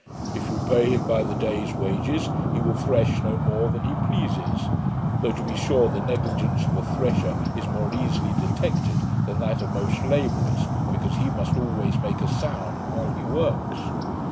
'If you pay him by the day's wages, he will thresh no more than he pleases; though, to be sure, the negligence of a thresher is more easily detected than that of most labourers, because he must always make a sound while he works.